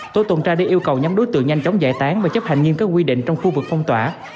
tổ tuần tra đã yêu cầu nhóm đối tượng nhanh chóng giải tán và chấp hành nghiêm các quy định trong khu vực phong tỏa